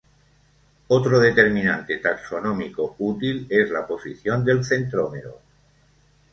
Otro determinante taxonómico útil es la posición del centrómero.